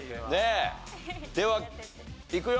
ではいくよ。